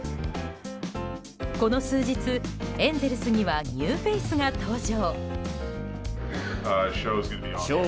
この数日、エンゼルスにはニューフェイスが登場。